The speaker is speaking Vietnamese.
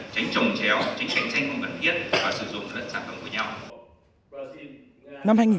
tránh trồng chéo tránh cạnh tranh cần thiết và sử dụng các sản phẩm của nhau